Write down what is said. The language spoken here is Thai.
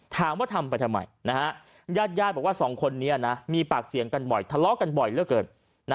ถามว่าทำไปทำไมญาติญาติบอกว่าสองคนนี้มีปากเสียงกันบ่อยทะเลาะกันบ่อยเหลือเกิน